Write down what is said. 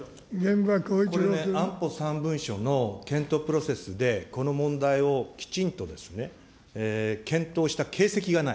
これね、安保３文書の検討プロセスで、この問題をきちんとですね、検討した形跡がない。